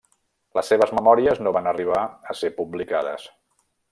Les seves memòries no van arribar a ser publicades.